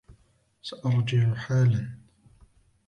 سأرجع حالا!